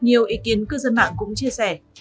nhiều ý kiến cư dân mạng cũng chia sẻ